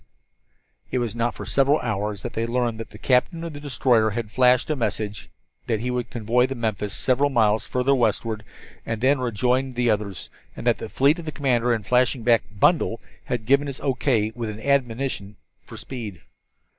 It was not for several hours that they learned that the captain of the destroyer had flashed a message that he would convoy the Memphis several miles further westward, and then rejoin the others, and that the fleet commander, in flashing back "bundle," had given his O. K., with an admonition for speed.